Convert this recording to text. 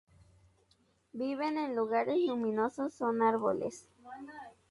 Viven en lugares luminosos son árboles.